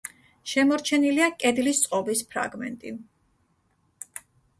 შემორჩენილია კედლის წყობის ფრაგმენტი.